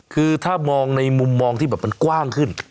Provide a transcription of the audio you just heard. คือถ้ามองในมุมมองที่แบบมันกว้างขึ้น